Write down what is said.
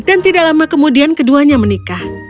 dan tidak lama kemudian keduanya menikah